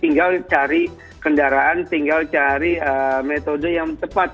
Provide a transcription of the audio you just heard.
tinggal cari kendaraan tinggal cari metode yang tepat